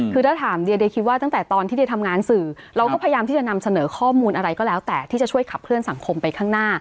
คือถ้าถามเดียเดียคิดว่าตั้งแต่ตอนที่เดียทำงานสื่อเราก็พยายามที่จะนำเสนอข้อมูลอะไรก็แล้วแต่ที่จะช่วยขับเคลื่อนสังคมไปข้างหน้า